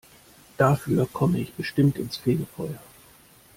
Dafür komme ich bestimmt ins Fegefeuer.